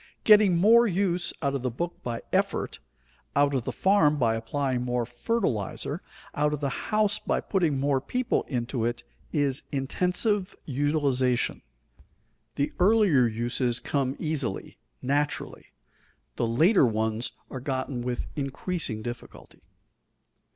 Getting more use out of the book by effort, out of the farm by applying more fertilizer, out of the house by putting more people into it, is intensive utilization. The earlier uses come easily, naturally; the later ones are gotten with increasing difficulty.